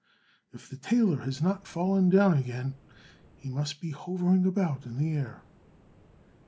If the tailor has not fallen down again, he must be hovering about in the air.